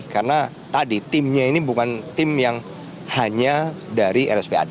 karena tadi timnya ini bukan tim yang hanya dari rspad